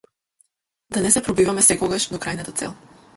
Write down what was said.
Да не се пробиваме секогаш до крајната цел.